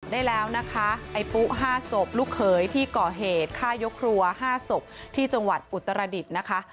ได้แล้วนะคะไอ้ปุ๊๕ศพลูกเขยที่ก่อเหตุฆ่ายกครัว๕ศพที่จังหวัดอุตรดิษฐ์นะคะ